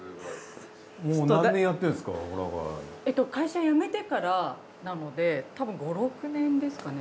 えっと会社辞めてからなのでたぶん５６年ですかね。